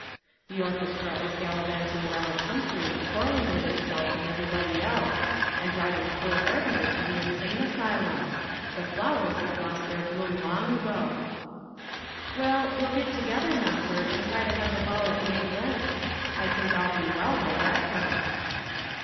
"The orchestra is gallivanting around the country, quarreling with itself and everybody else, and driving poor Gardner to the insane asylum. The flowers have lost their bloom long ago." "Well, we'll get together, Nopper, and try to have the ball at mid Lent. I think I'll be well by that time."